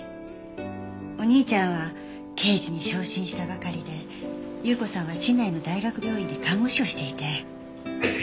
お兄ちゃんは刑事に昇進したばかりで有雨子さんは市内の大学病院で看護師をしていて。